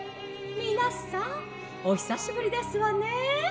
みなさんおひさしぶりですわね」。